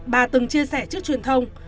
bà từng chia sẻ trước truyền thông